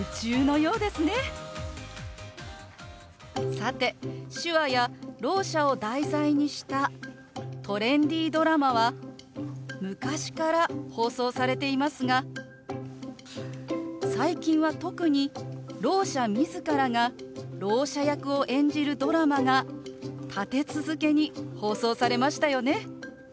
さて手話やろう者を題材にしたトレンディードラマは昔から放送されていますが最近は特にろう者自らがろう者役を演じるドラマが立て続けに放送されましたよね。